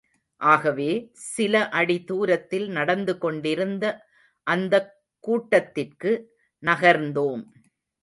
ஆகவே, சில அடி துரத்தில் நடந்து கொண்டிருந்த அடுத்த கூட்டத்திற்கு நகர்ந்தோம்.